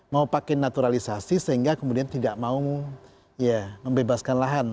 mau pakai naturalisasi sehingga kemudian tidak mau ya membebaskan lahan